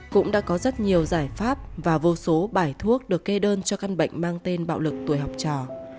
cũng đã có rất nhiều giải pháp và vô số bài thuốc được kê đơn cho căn bệnh mang tên bạo lực tuổi học trò